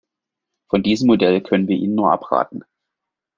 Von diesem Modell können wir Ihnen nur abraten.